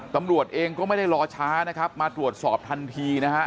ตำรวจเองก็ไม่ได้รอช้านะครับมาตรวจสอบทันทีนะฮะ